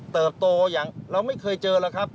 โตอย่างเราไม่เคยเจอแล้วครับ